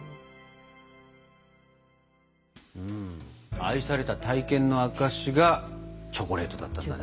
「愛された体験の証し」がチョコレートだったんだね。